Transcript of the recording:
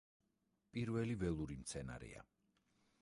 პირველი ველური მცენარეა.